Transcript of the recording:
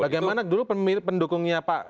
bagaimana dulu pendukungnya pak